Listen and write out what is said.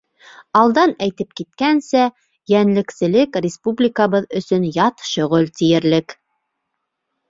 Алдан әйтеп киткәнсә, йәнлекселек республикабыҙ өсөн ят шөғөл тиерлек.